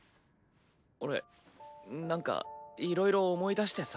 俺なんかいろいろ思い出してさ。